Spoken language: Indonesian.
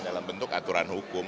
dalam bentuk aturan hukum